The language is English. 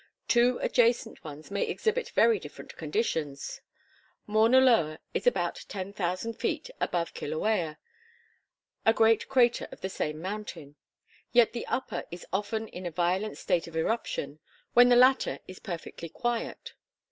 Two adjacent ones may exhibit very different conditions. Mauna Loa is about 10,000 feet above Kilauea, a great crater of the same mountain. Yet the upper is often in a violent state of eruption when the latter is perfectly quiet.